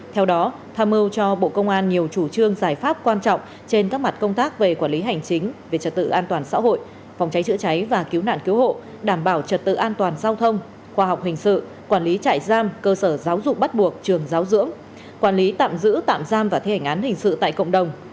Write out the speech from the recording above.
theo đó tham mưu cho bộ công an nhiều chủ trương giải pháp quan trọng trên các mặt công tác về quản lý hành chính về trật tự an toàn xã hội phòng cháy chữa cháy và cứu nạn cứu hộ đảm bảo trật tự an toàn giao thông khoa học hình sự quản lý trại giam cơ sở giáo dục bắt buộc trường giáo dưỡng quản lý tạm giữ tạm giam và thi hành án hình sự tại cộng đồng